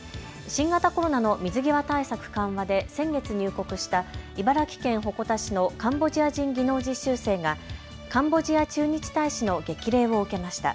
新型コロナの水際対策緩和で先月入国した茨城県鉾田市のカンボジア人技能実習生がカンボジア駐日大使の激励を受けました。